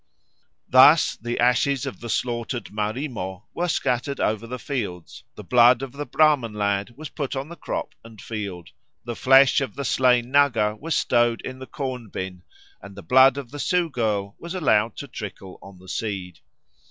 Thus the ashes of the slaughtered Marimo were scattered over the fields; the blood of the Brahman lad was put on the crop and field; the flesh of the slain Naga was stowed in the corn bin; and the blood of the Sioux girl was allowed to trickle on the seed.